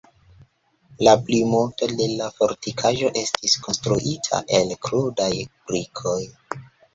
La plimulto de la fortikaĵo estis konstruita el krudaj brikoj.